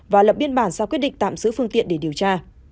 và lập biên bản ra quyết định tạm giữ phương tiện để điều tra